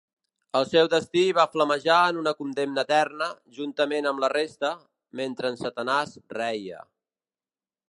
El seu destí va flamejar en una condemna eterna juntament amb la resta, mentre en Satanàs reia.